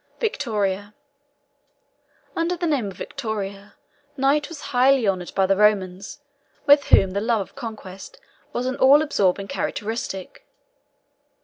VICTORIA. Under the name of Victoria, Nike was highly honoured by the Romans, with whom love of conquest was an all absorbing characteristic.